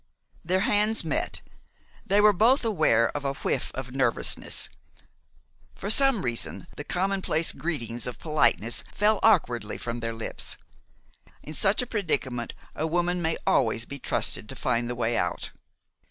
Their hands met. They were both aware of a whiff of nervousness. For some reason, the commonplace greetings of politeness fell awkwardly from their lips. In such a predicament a woman may always be trusted to find the way out.